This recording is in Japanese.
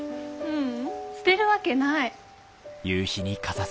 ううん捨てるわけない。